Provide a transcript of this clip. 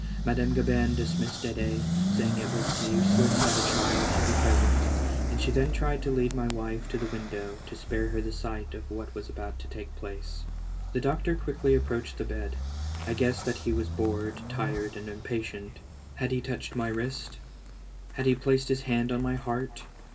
Madame Gabin dismissed Ded^, saying it was useless that a child should be present, and she then tried to lead my wife to the window, to spare her the sight of what was about to take place. The doctor quickly approached the bed. I guessed that he was bored, tired and impatient. Had he touched my wrist?* Had he placed his hand on my heart?